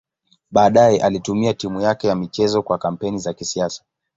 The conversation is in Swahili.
Baadaye alitumia timu yake ya michezo kwa kampeni za kisiasa.